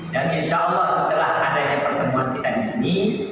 dan insya allah setelah adanya pertemuan kita di sini